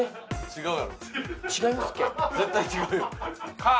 違う。